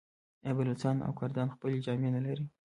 آیا بلوڅان او کردان خپلې جامې نلري؟